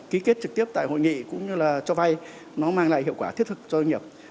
ký kết trực tiếp tại hội nghị cũng như là cho vay nó mang lại hiệu quả thiết thực cho doanh nghiệp